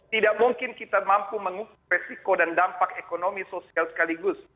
tidak mungkin kita mampu mengukur resiko dan dampak ekonomi sosial sekaligus